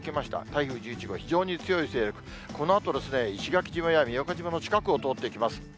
台風１１号、非常に強い勢力、このあと石垣島や宮古島の近くを通っていきます。